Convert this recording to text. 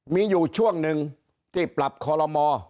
มีอยู่ช่วงหนึ่งที่ปรับคอลโลมอ